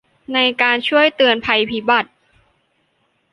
ในการช่วยเตือนภัยพิบัติ